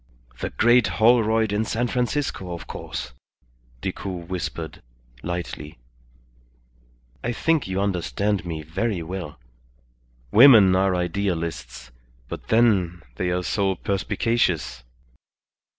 "The great Holroyd in San Francisco, of course," Decoud whispered, lightly. "I think you understand me very well. Women are idealists; but then they are so perspicacious."